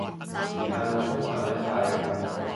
時間會沖淡一切